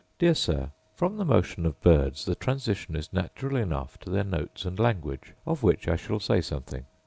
Dear Sir, From the motion of birds, the transition is natural enough to their notes and language, of which I shall say something.